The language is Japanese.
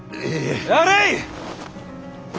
やれい！